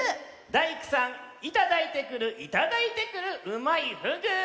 「大工さん板抱いてくるいただいてくるうまいふぐ」！